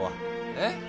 えっ？